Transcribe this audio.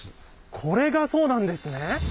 これがそうなんですね。